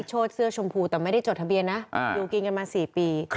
โดดเสื้อชมพูแต่ไม่ได้จดทะเบียนนะอยู่กินกันมา๔ปี